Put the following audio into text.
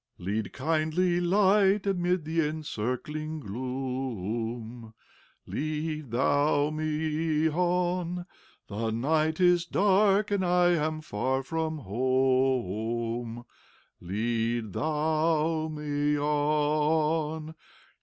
Lead, kindly Light, amid th' encircling gloom, Lead Thou me on, The night is dark, and I am far from home, Lead Thou me on.